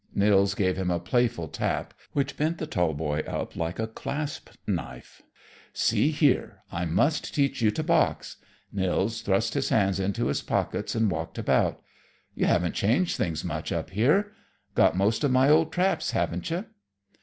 Nils gave him a playful tap which bent the tall boy up like a clasp knife. "See here; I must teach you to box." Nils thrust his hands into his pockets and walked about. "You haven't changed things much up here. Got most of my old traps, haven't you?"